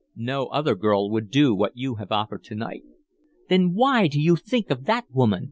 No other girl would do what you have offered to night." "Then why do you think of that woman?"